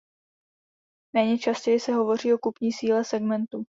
Méně častěji se hovoří o kupní síle segmentu.